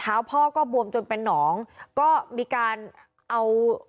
พ่อก็บวมจนเป็นหนองก็มีการเอา